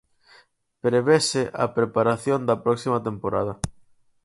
Prevese a preparación da próxima temporada.